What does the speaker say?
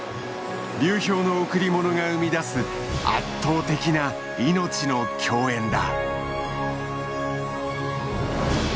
流氷の贈り物が生み出す圧倒的な命の供宴だ。